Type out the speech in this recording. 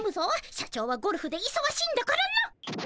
社長はゴルフでいそがしいんだからな。